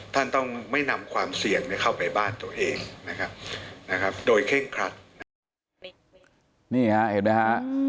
ท่านต้องไม่นำความเสี่ยงเข้าไปบ้านตัวเองนะครับโดยเคร่งครัด